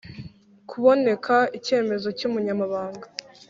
Kuboneka icyemezo cy umunyamabanga